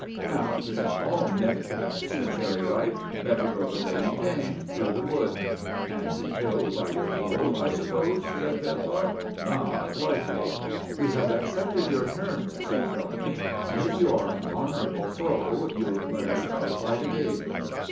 "Now you can all nip back," said Cherry Ripe. "Better go the way you came—through the wood." "And be killed by your bull, I suppose," said Pedlar. "Not likely!" "We have accepted your terms," said Trelawny, "and if you are an honourable foe, you'll let us out by the gate."